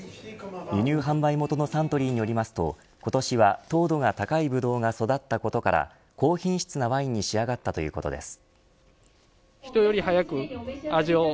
輸入販売元のサントリーによりますと今年は糖度が高いブドウが育ったことから高品質なワインに仕上がったということです。